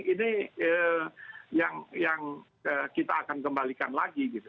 ini yang kita akan kembalikan lagi gitu